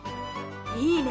いいね。